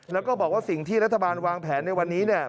แล้วก็บอกว่าสิ่งที่รัฐบาลวางแผนในวันนี้เนี่ย